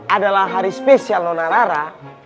adalah hari spesial nonarara